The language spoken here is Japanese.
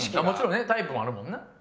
もちろんねタイプもあるもんな。